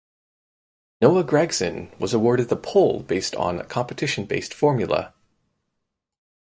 Noah Gragson was awarded the pole based on competition based formula.